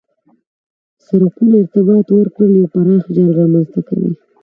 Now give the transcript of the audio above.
د سرکونو ارتباط ورکول یو پراخ جال رامنځ ته کوي